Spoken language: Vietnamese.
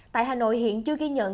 tại hà nội hiện chưa ghi nhận